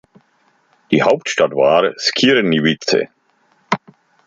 Die Hauptstadt war Skierniewice.